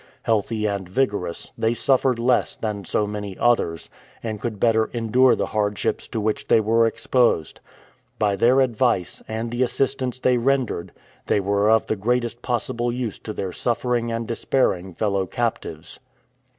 Healthy and vigorous, they suffered less than so many others, and could better endure the hardships to which they were exposed. By their advice, and the assistance they rendered, they were of the greatest possible use to their suffering and despairing fellow captives.